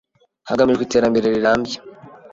hagamijwe iterambere rirambye